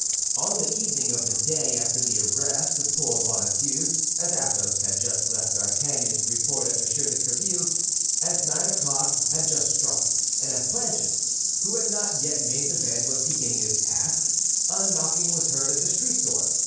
On the evening of the day after the arrest of poor Bonacieux, as Athos had just left D'Artagnan to report at M. de Tréville's, as nine o'clock had just struck, and as Planchet, who had not yet made the bed, was beginning his task, a knocking was heard at the street door.